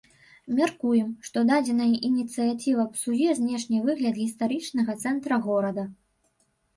Мяркуем, што дадзеная ініцыятыва псуе знешні выгляд гістарычнага цэнтра горада.